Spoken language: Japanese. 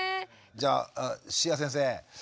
じゃあ椎谷先生。